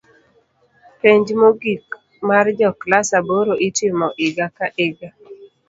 Penj mogik mar jo klas aboro itimo iga ka iga